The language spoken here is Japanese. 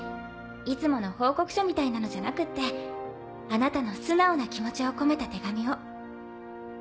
いつもの報告書みたいなのじゃなくってあなたの素直な気持ちを込めた手紙を。